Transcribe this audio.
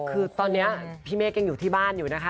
คือตอนนี้พี่เมฆยังอยู่ที่บ้านอยู่นะคะ